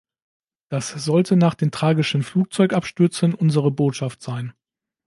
Das sollte nach den tragischen Flugzeugabstürzen unsere Botschaft sein.